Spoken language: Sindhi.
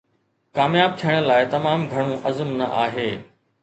ڪامياب ٿيڻ لاء تمام گهڻو عزم نه آهي